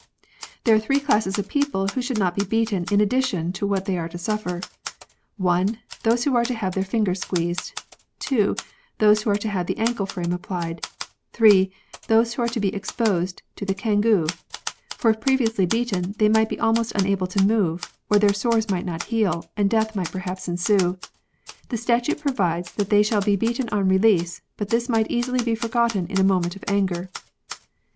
]" There are three classes of people who should not be beaten in addition to what they are to suffer. (1.) Those who are to have their fingers squeezed. (2. ) Those who are to have the ankle frame applied. (3.) Those who are to be exposed in the cangue. [For if previously beaten they might be almost unable to move, or their sores might not heal, and death might perhaps ensue. The statute provides that they shall be beaten on release, but this might easily be forgotten in a moment of anger.